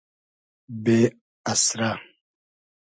بې اسئرۂ